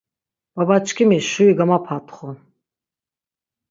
Baba-çkimi şuri gamapatxu.